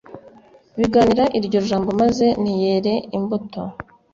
bikaniga iryo jambo maze ntiyere imbuto